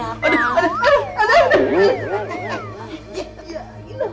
aduh aduh aduh